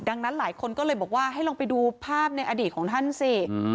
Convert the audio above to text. ดังนั้นหลายคนก็เลยบอกว่าให้ลองไปดูภาพในอดีตของท่านสิ